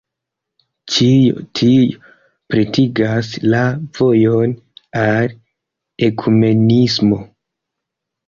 Ĉio tio pretigas la vojon al ekumenismo.